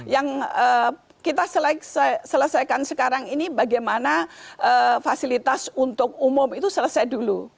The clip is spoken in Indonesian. yang kita selesaikan sekarang ini bagaimana fasilitas untuk umum itu selesai dulu